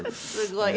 すごい。